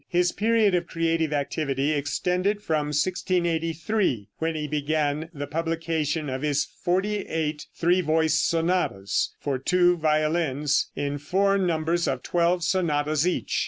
His period of creative activity extended from 1683, when he began the publication of his forty eight three voiced sonatas, for two violins, in four numbers of twelve sonatas each.